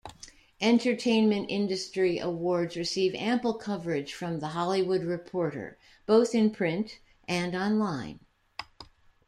Entertainment-industry awards receive ample coverage from "The Hollywood Reporter", both in print and online.